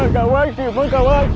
kau harus membayar